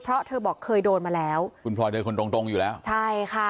เพราะเธอบอกเคยโดนมาแล้วคุณพลอยเดินคนตรงตรงอยู่แล้วใช่ค่ะ